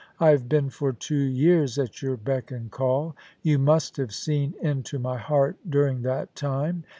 * I have been for two years at your beck and call. You must have seen into my heart during that time.